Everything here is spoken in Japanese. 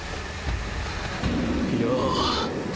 よう